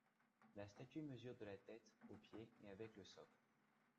La statue mesure de la tête au pied et avec le socle.